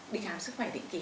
đi khám sức khỏe định kỳ